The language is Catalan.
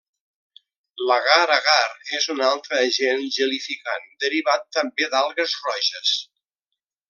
L'agar-agar és un altre agent gelificant derivat també d'algues roges.